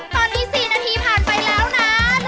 ตอนนี้๔นาทีผ่านไปแล้วนะ